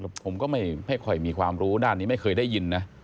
ผมก็ไม่ค่อยมีความรู้ด้านนี้ไม่เคยได้ยินนะ